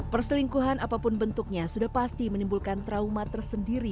perselingkuhan apapun bentuknya sudah pasti menimbulkan trauma tersendiri